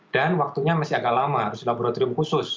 dan waktunya masih agak lama harus di laboratorium khusus